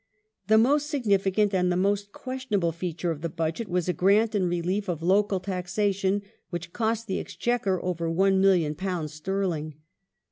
The most significant and the most questionable feature of the Budget was a grant in relief of local taxation which cost the Exchequer over £1,000,000 sterling.